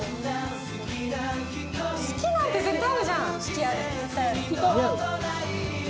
好きなんて絶対あるじゃん。